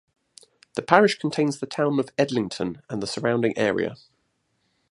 The parish contains the town of Edlington and the surrounding area.